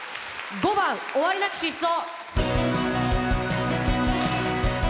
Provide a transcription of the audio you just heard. ５番「終りなき疾走」。